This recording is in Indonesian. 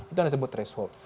itu yang disebut threshold